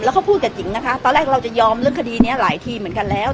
เขาพูดกับจิ๋งนะคะตอนแรกเราจะยอมเรื่องคดีนี้หลายทีเหมือนกันแล้ว